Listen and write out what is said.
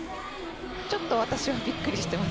ちょっと私はびっくりしています。